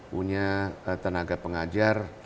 punya tenaga pengajar